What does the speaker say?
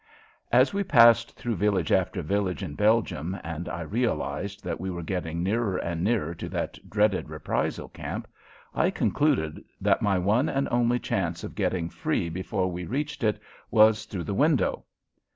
As we passed through village after village in Belgium and I realized that we were getting nearer and nearer to that dreaded reprisal camp, I concluded that my one and only chance of getting free before we reached it was through the window!